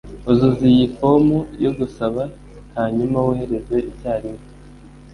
Uzuza iyi fomu yo gusaba hanyuma wohereze icyarimwe.